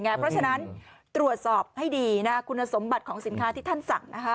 เพราะฉะนั้นตรวจสอบให้ดีคุณสมบัติของสินค้าที่ท่านสั่ง